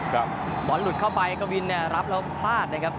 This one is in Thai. บอลหลุดเข้าไปกวินเนี่ยรับแล้วพลาดนะครับ